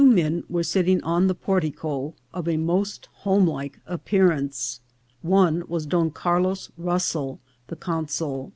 men were sitting on the portico, of a most homelike ap pearance. One was Don Carlos Russell, the consul.